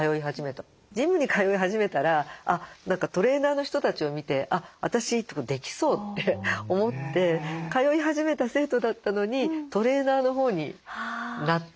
ジムに通い始めたら何かトレーナーの人たちを見て私できそうって思って通い始めた生徒だったのにトレーナーのほうになった方いらっしゃって。